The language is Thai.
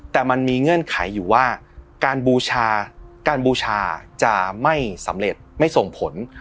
แต่มันมีเงื่อนไขอยู่ว่าการบูชาการบูชาจะไม่สำเร็จไม่ส่งผล